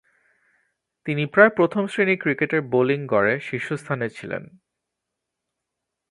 তিনি প্রায় প্রথম-শ্রেণীর ক্রিকেটের বোলিং গড়ে শীর্ষস্থানে ছিলেন।